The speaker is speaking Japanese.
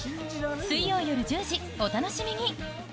水曜夜１０時、お楽しみに。